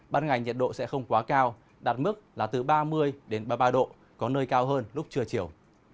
ban ngày nhiệt độ sẽ không quá cao đạt mức là từ ba mươi đến ba mươi ba độ có nơi cao hơn lúc trưa chiều